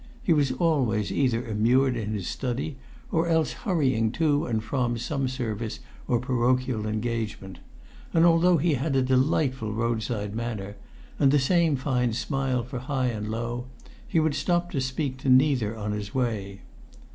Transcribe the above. He was always either immured in his study, or else hurrying to or from some service or parochial engagement; and although he had a delightful roadside manner, and the same fine smile for high and low, he would stop to speak to neither on his way.